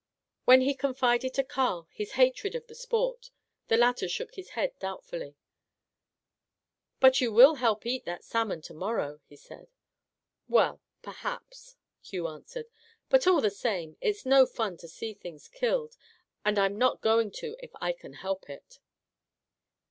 When he confided to Carl his hatred of the " sport," the latter shook his head doubtfully. " But you will help eat that salmon to morrow," he said. "Well, — perhaps," Hugh answered, cc but, all the same, it's no fun to see things killed, and I'm not going to if I can help it!"